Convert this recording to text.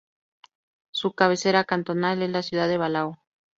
Su cabecera cantonal es la ciudad de Balao.